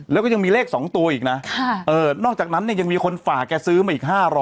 แล้วก็ยังมีเลข๒ตัวอีกนะนอกจากนั้นเนี่ยยังมีคนฝากแกซื้อมาอีก๕๐๐